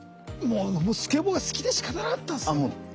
もうスケボーが好きでしかたなかったんすね。